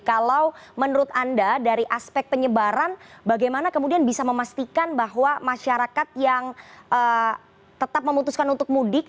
kalau menurut anda dari aspek penyebaran bagaimana kemudian bisa memastikan bahwa masyarakat yang tetap memutuskan untuk mudik